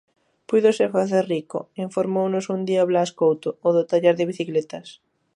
_Púidose facer rico _informounos un día Blas Couto, o do taller de bicicletas_.